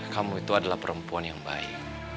kamu itu adalah perempuan yang baik